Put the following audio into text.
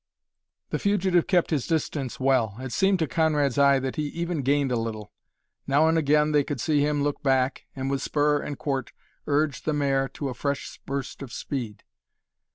The fugitive kept his distance well; it seemed to Conrad's eye that he even gained a little. Now and again they could see him look back, and with spur and quirt urge the mare to a fresh burst of speed.